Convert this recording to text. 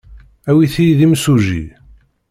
Awit-iyi-d imsujji.